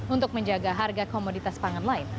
untuk menjaga harga komoditas pangan lain